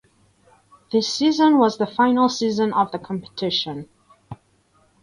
This season was the final season of the competition.